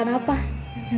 nanti aku bikinin